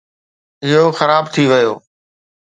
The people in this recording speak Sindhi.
اهو خراب ٿي ويو.